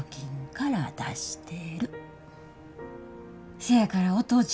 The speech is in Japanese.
せやからお父ちゃん